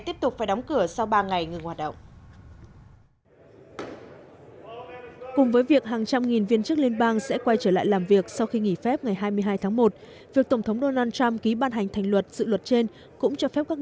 tiếp tục phải đóng cửa sau ba ngày ngừng hoạt động